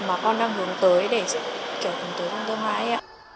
mà con đang hướng tới để kiểu hướng tới trong tương lai ạ